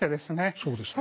そうですね。